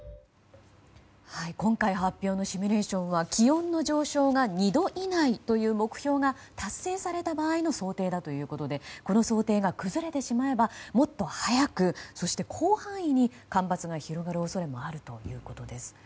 今回発表のシミュレーションは気温の上昇が２度以内という目標が達成された場合の想定だということでこの想定が崩れてしまえばもっと早くそして、広範囲に干ばつが広がる恐れがあるということです。